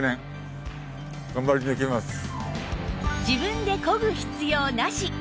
自分でこぐ必要なし！